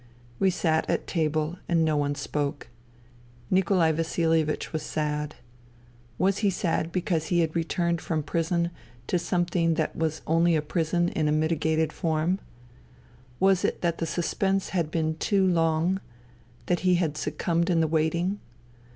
We sat at table, and no one spoke. Nikolai Vasil ievich was sad. Was he sad because he had returned from prison to something that was only prison in a mitigated form ? Was it that the suspense had been too long, that he had succumbed in the waiting